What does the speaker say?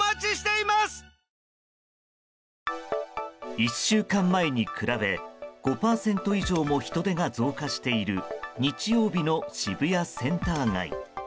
１週間前に比べ５％以上も人出が増加している日曜日の渋谷センター街。